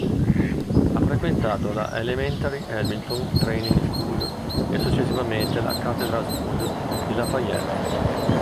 Ha frequentato la Elementary Hamilton Training School e successivamente la Cathedral School di Lafayette.